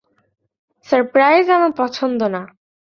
Surprise আমার পছন্দ না।